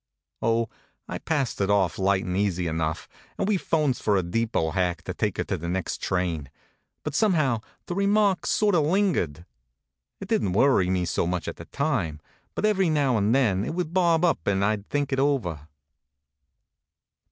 Oh, I passed it off light and easy enough, and we phones for a depot hack to take her to the next train; but somehow the remark sort of lingered. It didn t worry me so much at the time; but every now and then it would bob up and I d think it over.